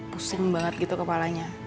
pusing banget gitu kepalanya